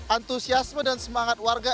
antusiasme dan semangat warga